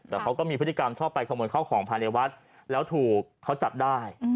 แต่เขาก็มีพฤติกรรมชอบไปขโมยข้าวของภายในวัดแล้วถูกเขาจับได้